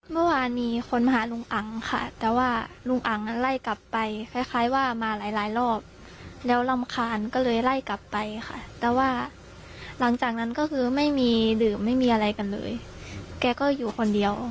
เมื่อวานมีคนมาหาลุงอังค่ะแต่ว่าลุงอังไล่กลับไปคล้ายว่ามาหลายรอบแล้วรำคาญก็เลยไล่กลับไปค่ะแต่ว่าหลังจากนั้นก็คือไม่มีดื่มไม่มีอะไรกันเลยแกก็อยู่คนเดียว